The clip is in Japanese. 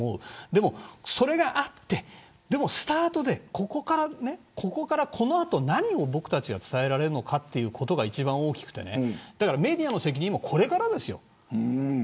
でも、それがあってスタートで、ここからこの後、何を僕たちは伝えられるのかということが一番大きくてメディアの責任もこれからですよ。